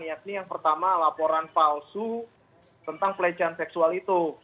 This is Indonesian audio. yakni yang pertama laporan palsu tentang pelecehan seksual itu